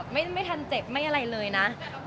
ไม่ทันเจ็บไม่อะไรเลยนะ